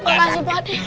makasih pak d